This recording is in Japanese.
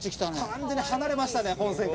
完全に離れましたね本線から。